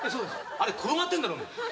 あれ転がってんだろ。